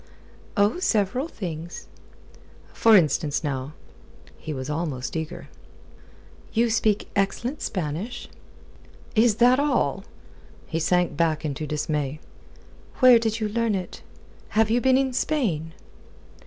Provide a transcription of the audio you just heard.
"Oh, several things." "For instance, now?" He was almost eager. "You speak excellent Spanish." "Is that all?" He sank back into dismay. "Where did you learn it? Have you been in Spain?"